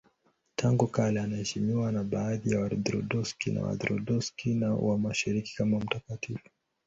Tangu kale anaheshimiwa na baadhi ya Waorthodoksi na Waorthodoksi wa Mashariki kama mtakatifu.